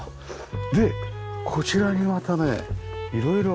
でこちらにまたねいろいろ。